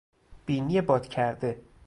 بینی باد کرده